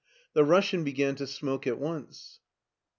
The Russian began to smoke at once.